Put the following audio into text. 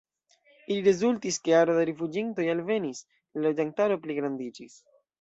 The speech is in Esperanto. Ili rezultis, ke aro da rifuĝintoj alvenis, la loĝantaro pligrandiĝis.